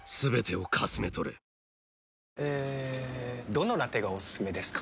どのラテがおすすめですか？